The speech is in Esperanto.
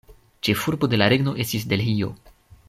Ĉefurbo de la regno estis Delhio.